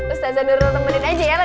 ustaz zanur temenin aja ya